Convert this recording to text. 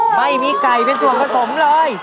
ไม่มีไก่เป็นส่วนผสมเลย